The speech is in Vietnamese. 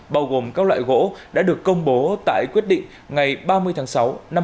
bao gồm các loại gỗ đã được công bố tại quyết định ngày ba mươi tháng sáu năm hai nghìn hai mươi